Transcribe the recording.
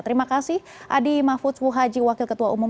terima kasih adi mahfudzmulhaji wakil ketua umum kampung